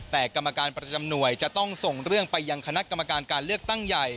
แต่กรรมการประจำหน่วยจะต้องส่งเรื่องไปยังคณะกรรมการการเลือกตั้งใหญ่